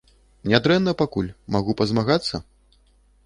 Нядрэнна пакуль, магу пазмагацца?